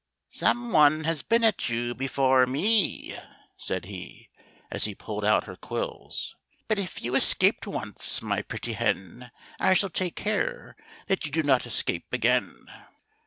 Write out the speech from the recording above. " Some one has been at you before me," said he, as he pulled out her quills ;" but if you escaped once, my pretty hen, I shall take care that you do not escape again."